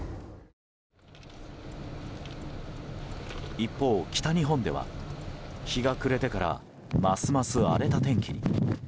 一方、北日本では日が暮れてからますます荒れた天気に。